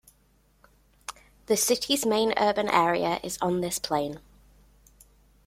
The city's main urban area is on this plain.